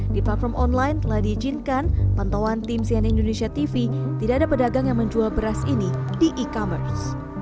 di platform online telah diizinkan pantauan tim sian indonesia tv tidak ada pedagang yang menjual beras ini di e commerce